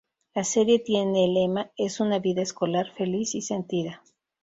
La serie tiene el lema: Es una vida escolar feliz y sentida.